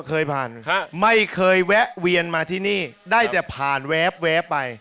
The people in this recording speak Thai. เคยผ่านไม่เคยแวะเวียนมาที่นี่ได้แต่ผ่านแวบไป